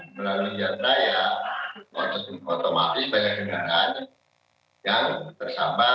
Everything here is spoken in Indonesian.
melalui jantai ya otomatis banyak jenderaan yang tersabar